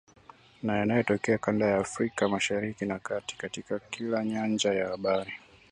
na yanayotokea kanda ya Afrika Mashariki na Kati katika kila nyanja ya habari